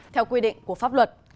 theo quy định của pháp luật